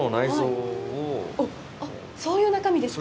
あっ、そういう中身ですか！？